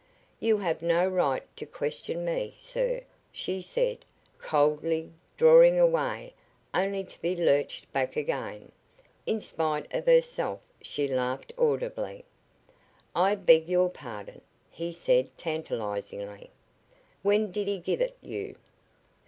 "You have no right to question me, sir," she said, coldly, drawing away, only to be lurched back again. In spite of herself she laughed audibly. "I beg your pardon," he said, tantalizingly. "When did he give it you?"